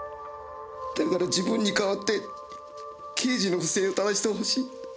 だから自分に代わって刑事の不正をただしてほしい。